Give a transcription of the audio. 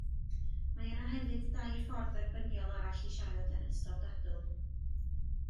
Mae yna hefyd dair ffordd dderbyniol arall i siarad yn ystod dadl.